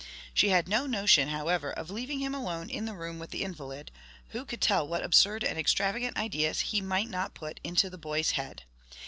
She HAD NO NOTION however of leaving him alone in the room with the invalid: who could tell what absurd and extravagant ideas he might not put into the boy's head!